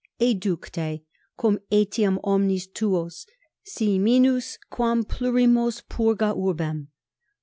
Educ tecum etiam omnes tuos, si minus, quam plurimos; purga urbem.